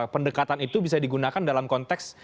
pendekatan itu bisa digunakan dalam konteks